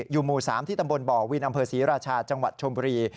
อยู่หมู่๓ที่ตำบลบ่อวินอำเภอศรีราชาจังหวัดชมบุรี